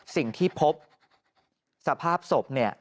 สิ่งที่พบสภาพศพเนี่ย